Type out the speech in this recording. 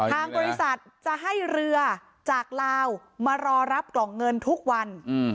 ทางบริษัทจะให้เรือจากลาวมารอรับกล่องเงินทุกวัน